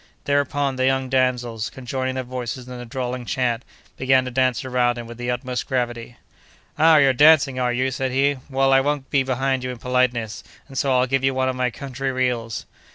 Thereupon, the young damsels, conjoining their voices in a drawling chant, began to dance around him with the utmost gravity. "Ah! you're dancing, are you?" said he. "Well, I won't be behind you in politeness, and so I'll give you one of my country reels."